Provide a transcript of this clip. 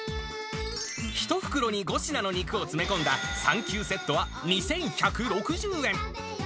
１袋に５品の肉を詰め込んだサンキューセットは２１６０円。